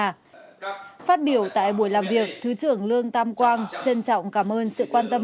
phát biểu tại buổi làm việc thứ trưởng lương tam quang trân trọng cảm ơn sự quan tâm